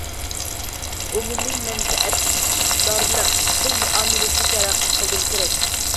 ئومۇمىي مەنپەئەتدارلىق پۇل مۇئامىلىسىنى تەرەققىي قىلدۇرۇش كېرەك.